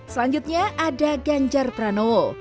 selanjutnya ada ganjar pranowo